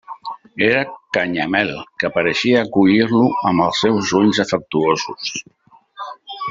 Era Canyamel, que pareixia acollir-lo amb els seus ulls afectuosos.